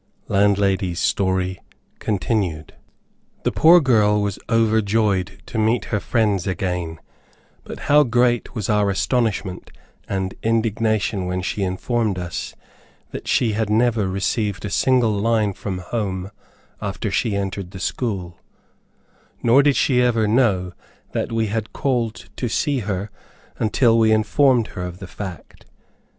LANDLADY'S STORY CONTINUED. The poor girl was overjoyed to meet her friends again, but how great was our astonishment and indignation when she informed us that she had never received a single line from home after she entered the school, nor did she ever know that we had called to see her until we informed her of the fact.